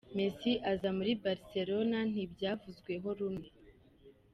Messi aza muri Barcelona ntibyavuzweho rumwe.